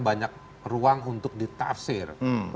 banyak ruang untuk ditafsir